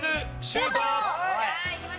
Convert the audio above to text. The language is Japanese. シュート！